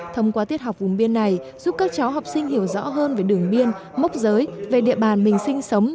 thông qua tiết học vùng biên này giúp các cháu học sinh hiểu rõ hơn về đường biên mốc giới về địa bàn mình sinh sống